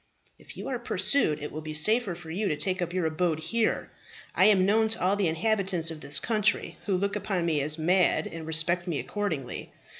"If you are pursued, it will be safer for you to take up your abode here. I am known to all the inhabitants of this country, who look upon me as mad, and respect me accordingly.